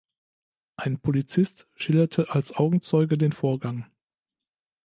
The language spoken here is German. Ein Polizist schilderte als Augenzeuge den Vorgang.